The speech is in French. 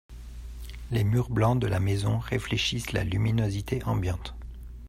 Les murs blancs de la maison réfléchissent la luminosité ambiante